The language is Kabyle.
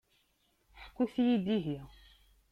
Ḥkut-iyi-d ihi.